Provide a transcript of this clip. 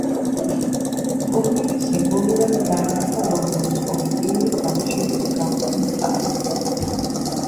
ტურნირი სიმბოლურად დაემთხვა ლონდონის ოლიმპიური თამაშების გახსნის თარიღს.